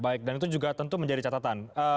baik dan itu juga tentu menjadi catatan